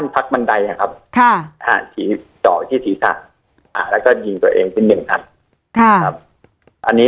พักบันไดที่ศีรษะแล้วก็ยิงตัวเองเป็นหนึ่งครับ